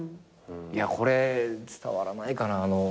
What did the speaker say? いやこれ伝わらないかな。